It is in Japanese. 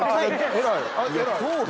偉い！